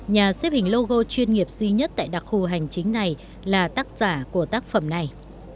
nhà xếp hình logo chuyên nghiệp duy nhất tại đặc khu hành chính này là tác giả của tác phẩm này